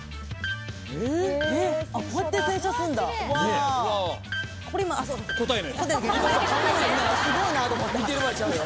こうやって洗車するんだ。